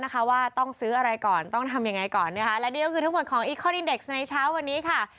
ขอช่วงนี้ก็กลับที่คุณเมนครับ